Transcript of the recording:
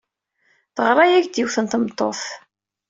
Teɣra-ak-d yiwet n tmeṭṭut.